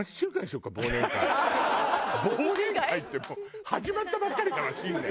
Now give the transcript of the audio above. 忘年会って始まったばっかりだわ新年。